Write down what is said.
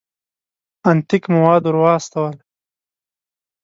انتیک مواد ور واستول.